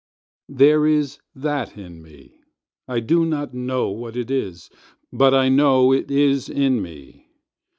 50There is that in me—I do not know what it is—but I know it is in me.